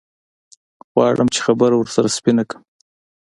غواړم چې خبره ورسره سپينه کم.